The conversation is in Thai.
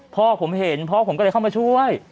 พ่อผมเห็นพ่อผมก็เลยเข้ามาช่วย